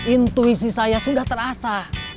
intuisi saya sudah terasa